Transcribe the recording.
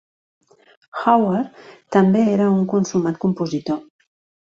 Howard també era un consumat compositor.